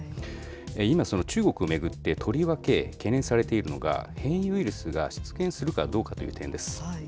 今その中国を巡って、とりわけ懸念されているのが、変異ウイルスが出現するかどうかという点です。